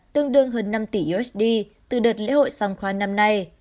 tương đương hơn năm tỷ usd từ đợt lễ hội songkran năm nay